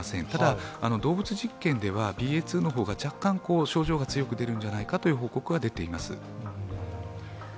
ただ、動物実験ではＢＡ．２のほうが、若干症状が強く出るんじゃないかという報告は出ています。